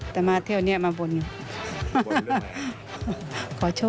แทนก็เลยให้มาเป็นเลขเลย